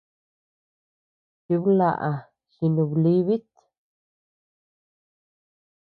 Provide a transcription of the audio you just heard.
Chiblaʼa jinublibit.